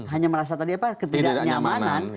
hanya merasa tadi apa ketidaknyamanan